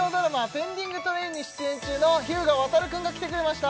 「ペンディングトレイン」に出演中の日向亘くんが来てくれました